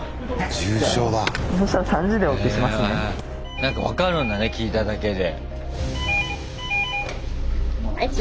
なんか分かるんだね聞いただけで。